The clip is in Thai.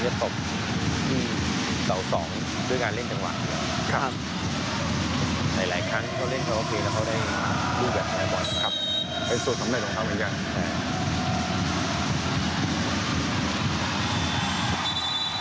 ดูกับไทยบอลครับครับเป็นส่วนสำเร็จของเขาเหมือนกัน